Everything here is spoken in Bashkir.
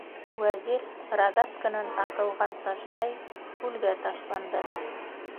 Вәзир, рогатканан атылған таштай, күлгә ташланды.